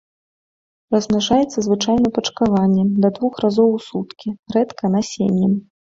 Размнажаецца звычайна пачкаваннем да двух разоў у суткі, рэдка насеннем.